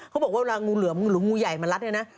เขาบอกว่าเวลางูเหลือมงูหรืองูใหญ่มารัดเนี่ยนะ